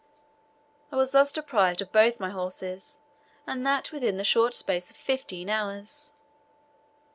I was thus deprived of both my horses, and that within the short space of fifteen hours.